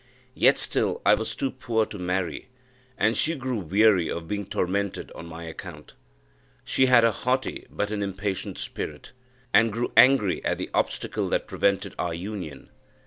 Yet still I was too poor to marry, and she grew weary of being tormented on my account. She had a haughty but an impatient spirit, and grew angry at the obstacle that prevented our union.